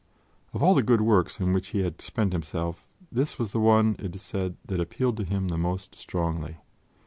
Of all the good works on which he had spent himself, this was the one, it is said, that appealed to him the most strongly.